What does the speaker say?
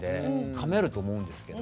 かめると思うんですけど。